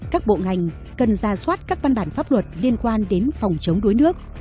các bộ ngành cần ra soát các văn bản pháp luật liên quan đến phòng chống đuối nước